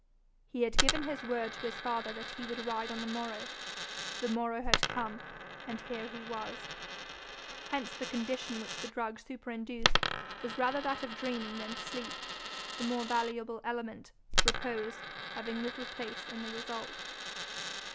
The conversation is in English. He had given his word to his father that he would ride on the morrow; the morrow had come, and here he was! Hence the condition which the drug superinduced was rather that of dreaming than sleep, the more valuable element, repose, having little place in the result.